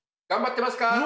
頑張ってますか？